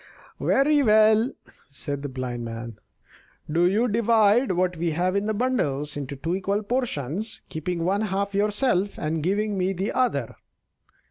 "Very well," said the Blind Man; "do you divide what we have in the bundles into two equal portions, keeping one half yourself and giving me the other."